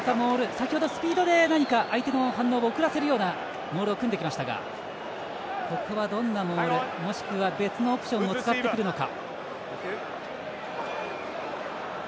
先ほどスピードで相手の反応を遅らせるようなモールを組んできましたがここはどんなモールもしくは別のオプションを使ってくるのか。